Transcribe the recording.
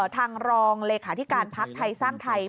ทางรองเลขาธิการพักไทยสร้างไทย